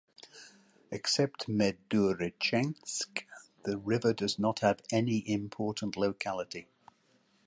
Except Mejdouretchensk, the river does not have any important locality.